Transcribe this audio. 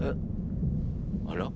あら？